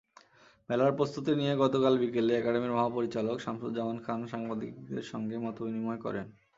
মেলার প্রস্তুতি নিয়ে গতকাল বিকেলে একাডেমির মহাপরিচালক শামসুজ্জামান খান সাংবাদিকদের সঙ্গে মতবিনিময় করেন।